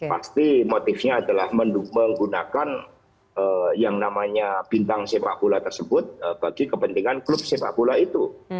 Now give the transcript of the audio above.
pasti motifnya adalah menggunakan yang namanya bintang sepak bola tersebut bagi kepentingan klub sepak bola itu